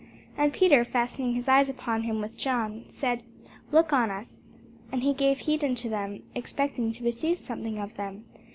And Peter, fastening his eyes upon him with John, said, Look on us. And he gave heed unto them, expecting to receive something of them.